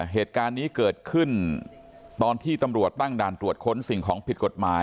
เหตุการณ์นี้เกิดขึ้นตอนที่ตำรวจตั้งด่านตรวจค้นสิ่งของผิดกฎหมาย